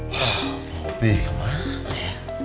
wah bobby kemana ya